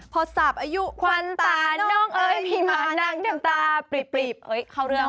พอสับอายุควันตาน้องเอ้ยพี่มานั่งน้ำตาปรีบเอ้ยเข้าเรื่อง